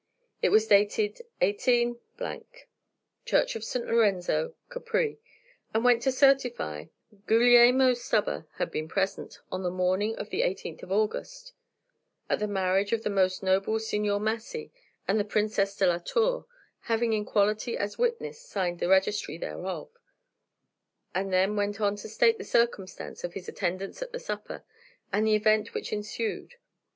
It was dated 18 , Church of St. Lorenzo, Capri, and went to certify that Guglielmo Stubber had been present, on the morning of the 18th August, at the marriage of the Most Noble Signor Massy with the Princess de la Torre, having in quality as witness signed the registry thereof; and then went on to state the circumstance of his attendance at the supper, and the event which ensued.